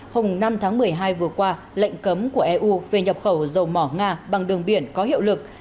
hôm năm tháng một mươi hai vừa qua lệnh cấm của eu về nhập khẩu dầu mỏ nga bằng đường biển có hiệu lực